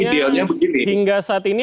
baik mas yoga artinya hingga saat ini